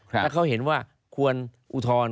ถ้าเขาเห็นว่าควรอุทธรณ์